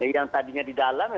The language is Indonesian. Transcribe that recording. yang tadinya di dalam